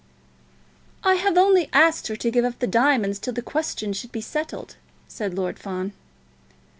"I have only asked her to give up the diamonds till the question should be settled," said Lord Fawn.